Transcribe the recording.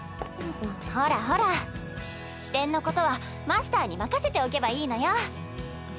ほらほら支店のことはマスターに任せておけばいいのよ。